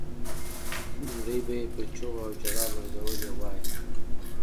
نړۍ به یې په چیغو او ژړاو لړزولې وای.